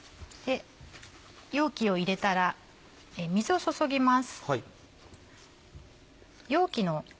容器を入れたら水を注ぎます。